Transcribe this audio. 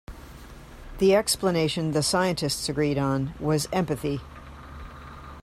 The explanation the scientists agreed on was empathy.